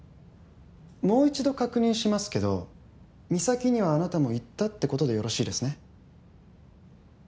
もう一度確認しますけど岬にはあなたも行ったってことでよろしいですね？